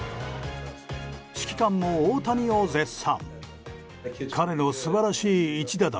指揮官も大谷を絶賛。